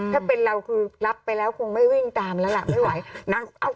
ถ้าเป็นเราคือรับไปแล้วคงไม่วิ่งตามแล้วล่ะไม่ไหว